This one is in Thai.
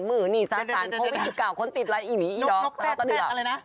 มือนี่สารสารเพราะวิธีเก่าคนติดลายอีหลีอีด๊อกท้อเต็ดอะไรนะ